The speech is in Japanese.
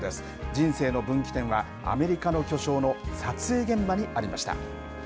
人生の分岐点は、アメリカの巨匠の撮影現場にありました。